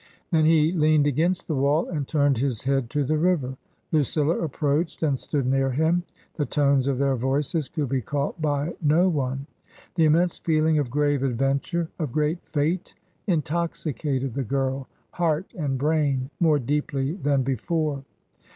S Then he leaned against the wall and turned B^s head to the river; Lucilla approached and stood neaP ^voa. The tones of their voices could be caught by tP one. The immense feeling of grave adventure, of gre^ft fate, intoxicated the girl, heart and brain, more deeply than before.